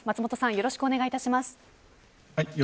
よろしくお願いします。